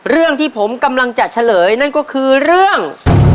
เรื่องที่ผมกำลังจะเฉลยนั่นก็คือเรื่อง